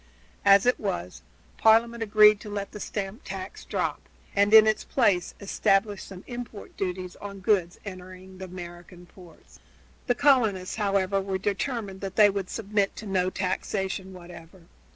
As it was, Parliament agreed to let the stamp tax drop, and in its place established some import duties on goods entering the American ports. The colonists, however, were determined that they would submit to no taxation whatever.